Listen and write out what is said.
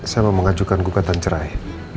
saya mau mengajukan gugatan cerai